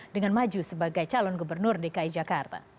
dengan maju sebagai calon gubernur dki jakarta